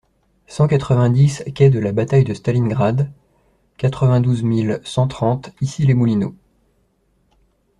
cent quatre-vingt-dix quai de la Bataille de Stalingrad, quatre-vingt-douze mille cent trente Issy-les-Moulineaux